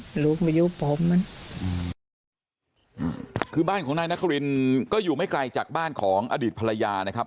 ลูกมาอยู่ปอมมันอืมคือบ้านของนายนครินก็อยู่ไม่ไกลจากบ้านของอดีตภรรยานะครับ